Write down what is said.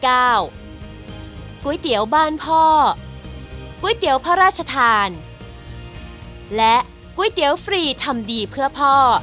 ก๋วยเตี๋ยวบ้านพ่อก๋วยเตี๋ยวพระราชทานและก๋วยเตี๋ยวฟรีทำดีเพื่อพ่อ